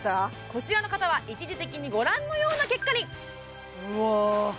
こちらの方は一時的にご覧のような結果にうわ